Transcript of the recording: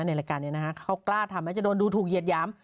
ในรายการนี้นะฮะเขากล้าทำแม้จะโดนดูถูกเหยียดหยาม